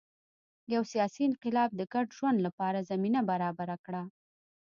یو سیاسي انقلاب د ګډ ژوند لپاره زمینه برابره کړه.